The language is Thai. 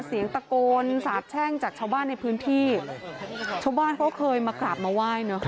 เสียงตะโกนสาบแช่งจากชาวบ้านในพื้นที่ชาวบ้านเขาเคยมากราบมาไหว้เนอะ